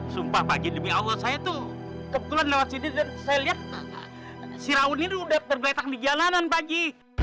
sumpah pak gi demi allah saya tuh kebetulan lewat sini dan saya liat si raul ini udah terbetak di jalanan pak gi